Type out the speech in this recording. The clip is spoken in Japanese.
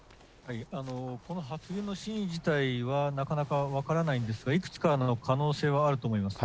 この発言の真意自体は、なかなか分からないんですが、いくつかの可能性はあると思います。